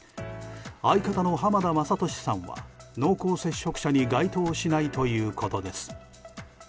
相方の浜田雅功さんは濃厚接触者に該当しないということです。